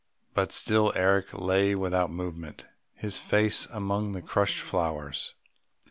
But still Eric lay without movement, his face among the crushed flowers.